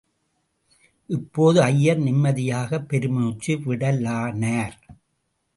இப்போது ஐயர் நிம்மதியாகப் பெருமூச்சு விடலானார்.